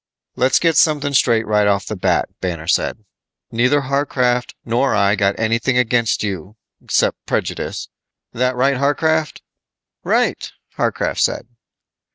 "Let's get something straight right off the bat," Banner said. "Neither Warcraft nor I got anything against you 'cept prejudice. That right, Warcraft?" "Right," Warcraft said.